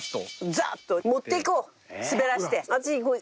ザーッと持っていこう滑らせて。